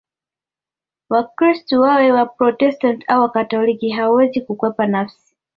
Wakristo wawe Waprotestanti au Wakatoliki hawawezi kukwepa nafsi